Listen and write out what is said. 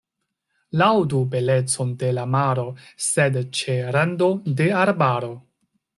Laŭdu belecon de la maro, sed ĉe rando de arbaro.